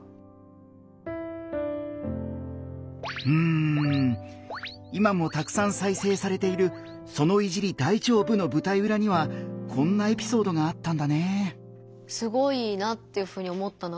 うん今もたくさん再生されている「その“いじり”、大丈夫？」の舞台うらにはこんなエピソードがあったんだね。